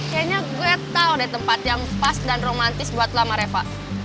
kayaknya gue tau deh tempat yang pas dan romantis buat lama reva